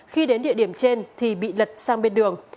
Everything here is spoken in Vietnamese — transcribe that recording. khi đến địa điểm trên thì bị lật sang bên đường